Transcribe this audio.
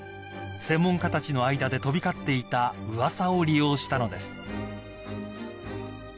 ［専門家たちの間で飛び交っていた噂を利用したのです］